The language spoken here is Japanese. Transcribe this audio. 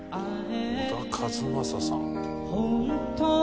「小田和正さん」